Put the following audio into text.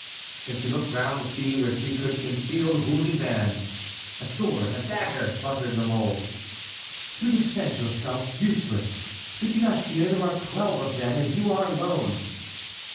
And she looked round to see where she could conceal the wounded man. "A sword! a dagger!" muttered La Mole. "To defend yourself—useless! Did you not hear? There are twelve of them, and you are alone."